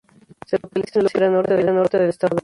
Se localiza en la Sierra Norte del Estado de Puebla.